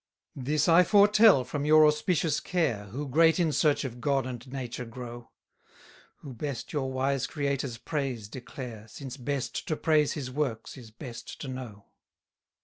165 This I foretell from your auspicious care, Who great in search of God and nature grow; Who best your wise Creator's praise declare, Since best to praise his works is best to know.